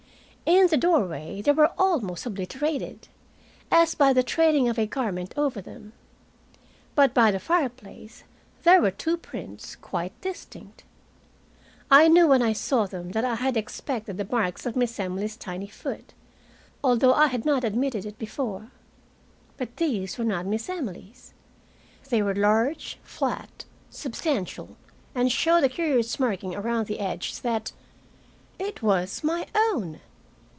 In the doorway they were almost obliterated, as by the trailing of a garment over them, but by the fireplace there were two prints quite distinct. I knew when I saw them that I had expected the marks of Miss Emily's tiny foot, although I had not admitted it before. But these were not Miss Emily's. They were large, flat, substantial, and one showed a curious marking around the edge that It was my own!